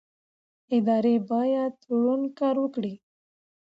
ادارې باید روڼ کار وکړي